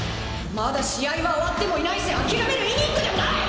まだ試合は終わってもいないし諦めるイニングでもない！